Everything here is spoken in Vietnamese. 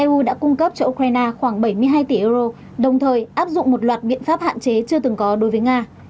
eu đã cung cấp cho ukraine khoảng bảy mươi hai tỷ euro đồng thời áp dụng một loạt biện pháp hạn chế chưa từng có đối với nga